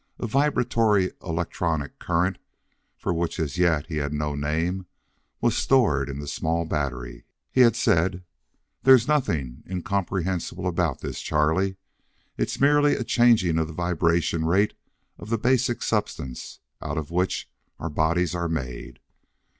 A vibratory electronic current, for which as yet he had no name, was stored in the small battery. He had said: "There's nothing incomprehensible about this, Charlie. It's merely a changing of the vibration rate of the basic substance out of which our bodies are made.